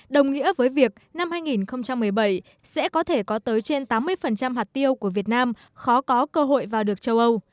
đồng nghĩa với việc năm hai nghìn một mươi bảy sẽ có thể có tới trên tám mươi hạt tiêu của việt nam khó có cơ hội vào được châu âu